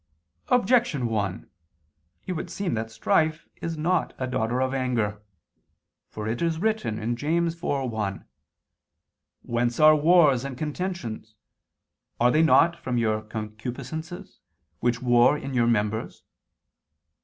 Objection 1: It would seem that strife is not a daughter of anger. For it is written (James 4:1): "Whence are wars and contentions? Are they not ... from your concupiscences, which war in your members?"